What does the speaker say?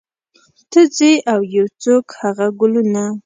ته ځې او یو څوک هغه ګلونه